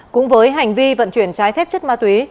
cũng với hành vi vận chuyển trái phép chất ma túy